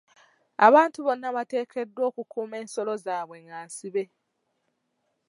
Abantu bonna bateekeddwa okukuuma ensolo zaabwe nga nsibe.